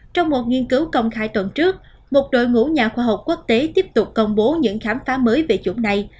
trong một nghiên cứu công khai tuần trước một đội ngũ nhà khoa học quốc tế tiếp tục công bố những khám phá mới về chủng này